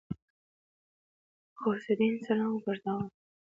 غوث الدين سلام وګرځاوه.